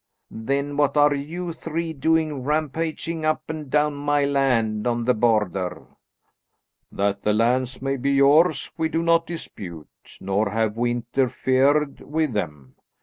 Then what are you three doing rampaging up and down my land on the Border?" "That the lands may be yours we do not dispute, nor have we interfered with them.